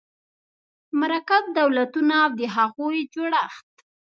مرکب دولتونه او د هغوی جوړښت